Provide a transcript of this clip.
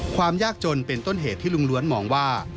ความยากจนเป็นต้นเหตุที่ลุงล้วนมองว่า